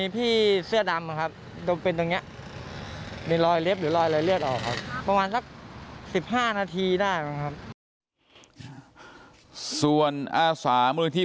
โปรดติดตามต่อไป